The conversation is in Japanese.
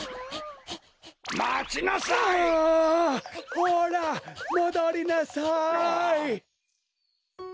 ほらもどりなさい！